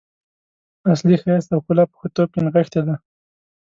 اصلي ښایست او ښکلا په ښه توب کې نغښتې ده.